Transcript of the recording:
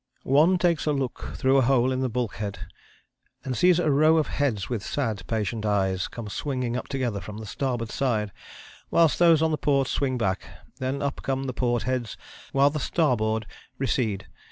"One takes a look through a hole in the bulkhead and sees a row of heads with sad, patient eyes come swinging up together from the starboard side, whilst those on the port swing back; then up come the port heads, while the starboard recede.